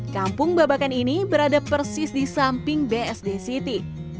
kampung babakan ini berada persis di samping bsd city